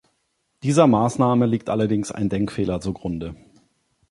Dieser Maßnahme liegt allerdings ein Denkfehler zugrunde.